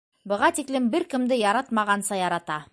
Быға тиклем бер кемде яратмағанса ярата.